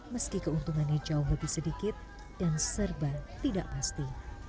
meski keuntungannya jauh lebih sedikit dan serba tidak pasti